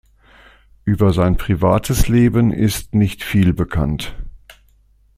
Über sein privates Leben ist nicht viel bekannt.